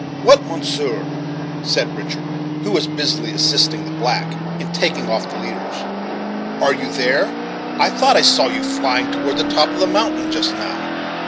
"What, monsieur," said Richard, who was busily assisting the black in taking off the leaders; "are you there? I thought I saw you flying toward the top of the mountain just now."